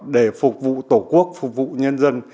để phục vụ tổ quốc phục vụ nhân dân